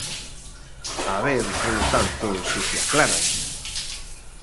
A ver, polo tanto, se se aclaran.